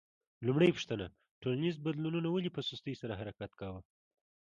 لومړۍ پوښتنه: ټولنیزو بدلونونو ولې په سستۍ سره حرکت کاوه؟